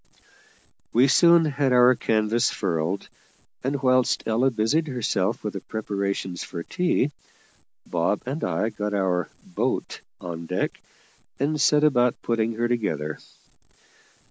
We soon had our canvas furled, and, whilst Ella busied herself with the preparations for tea, Bob and I got our "boat" on deck, and set about putting her together.